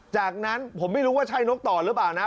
จากนั้นผมไม่รู้ว่าใช่นกต่อหรือเปล่านะ